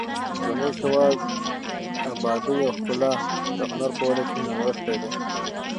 زموږ د هېواد ابادي او ښکلا د هنر په وده کې نغښتې ده.